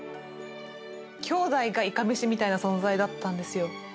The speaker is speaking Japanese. きょうだいがいかめしみたいな存在だったんですよ。